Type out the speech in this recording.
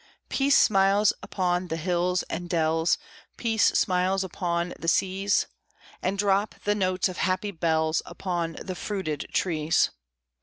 Peace smiles upon the hills and dells; Peace smiles upon the seas; And drop the notes of happy bells Upon the fruited trees.